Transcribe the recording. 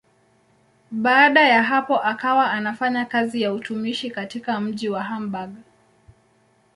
Baada ya hapo akawa anafanya kazi ya utumishi katika mji wa Hamburg.